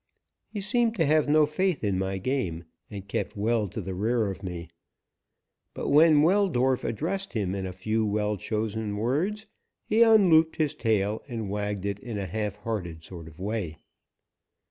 He seemed to have no faith in my game, and kept well to the rear of me, but when Weldorf addressed him in a few well chosen words he unlooped his tail and wagged it in a halfhearted sort of way.